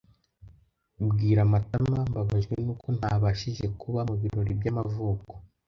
Bwira Matama Mbabajwe nuko ntabashije kuba mubirori by'amavuko.